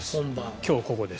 今日ここです。